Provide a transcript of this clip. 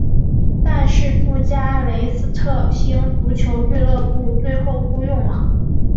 但是布加勒斯特星足球俱乐部最后雇佣了。